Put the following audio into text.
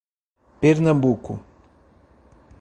Pernambuco